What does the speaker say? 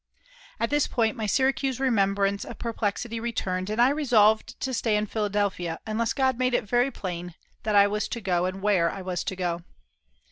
_ At this point my Syracuse remembrance of perplexity returned, and I resolved to stay in Philadelphia unless God made it very plain that I was to go and where I was to go.